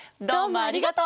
ありがとう。